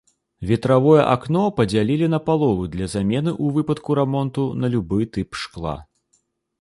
Ветравое акно падзялілі напалову для замены ў выпадку рамонту на любы тып шкла.